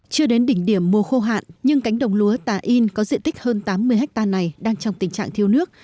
chưa đến đỉnh điểm mùa khô hạn nhưng cánh đồng lúa tà yên có diện tích hơn tám mươi ha này đang trong tình trạng thiêu nước